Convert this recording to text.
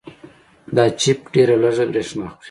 دا چپ ډېره لږه برېښنا خوري.